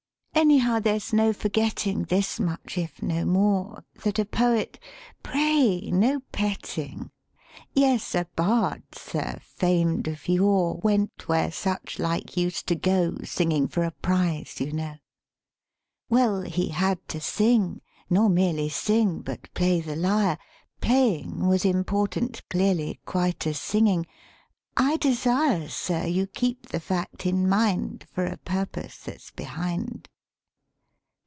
II Anyhow there's no forgetting This much if no more, That a poet (pray, no petting!) Yes, a bard, sir, famed of yore, Went where such like used to go, Singing for a prize, you know. 208 DRAMATIC MONOLOGUE AND PLAY III Well, he had to sing, nor merely Sing but play the lyre; Playing was important clearly Quite as singing: I desire, Sir, you keep the fact in mind For a purpose that's behind.